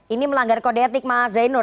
ini melanggar kode etik mas zainur